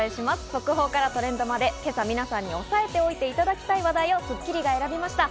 速報からトレンドまで今朝、皆さんに押さえておいていただきたい話題を『スッキリ』が選びました。